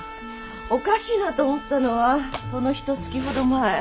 おかしいなと思ったのはこのひとつきほど前。